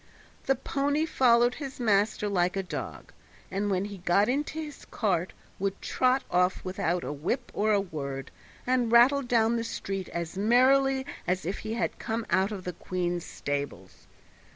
The pony followed his master like a dog, and when he got into his cart would trot off without a whip or a word, and rattle down the street as merrily as if he had come out of the queen's stables.